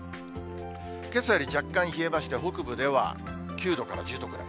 けさより若干冷えまして、北部では９度から１０度ぐらい。